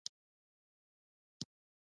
غالۍ د هنر، کلتور او زحمت نښه ده.